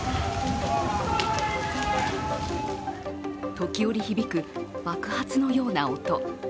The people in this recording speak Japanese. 時折響く、爆発のような音。